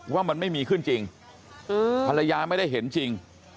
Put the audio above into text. ว่ามันไม่มีขึ้นจริงภรรยาไม่ได้เห็นจริง